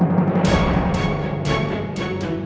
ri kita bawa andi ke rumah sakit